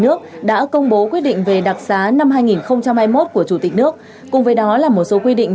nước đã công bố quyết định về đặc xá năm hai nghìn hai mươi một của chủ tịch nước cùng với đó là một số quy định